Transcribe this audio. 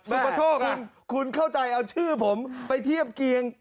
ประโชคคุณคุณเข้าใจเอาชื่อผมไปเทียบเกียง